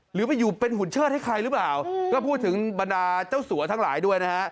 หรือไปอยู่เป็นหุ่นเชิดให้ใครหรือเปล่าก็พูดถึงบรรดาเจ้าสัวทั้งหลายด้วยนะฮะ